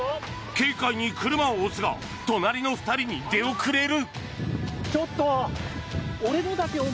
軽快に車を押すが隣の２人に出遅れる。